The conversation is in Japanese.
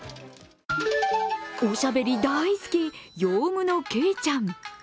おしゃべり大好きヨウムのケイちゃん。